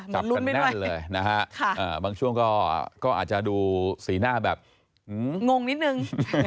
เหมือนรุ่นไว้ด้วยนะคะค่ะบางช่วงก็ก็อาจจะดูสีหน้าแบบงงนิดนึง